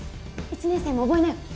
１年生も覚えなよ。